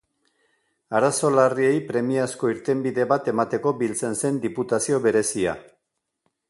Arazo larriei premiazko irtenbide bat emateko biltzen zen Diputazio Berezia.